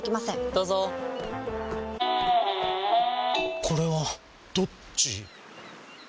どうぞこれはどっち？